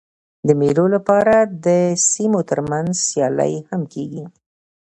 د مېلو له پاره د سیمو تر منځ سیالۍ هم کېږي.